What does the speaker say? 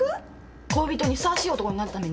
恋人にふさわしい男になるために？